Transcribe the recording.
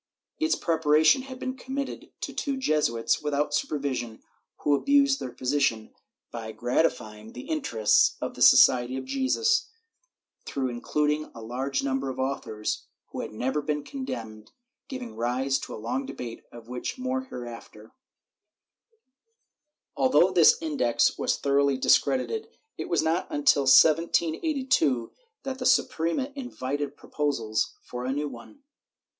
Its preparation had been committed to two Jesuits, without supervision, who abused their position by gratifying the interests of the Society of Jesus through including a large number of authors who had never been condemned, giving rise to a long debate, of which more hereafter/ Although this Index was thoroughly discredited, it was not until 1782 that the Suprema invited proposals for a new one.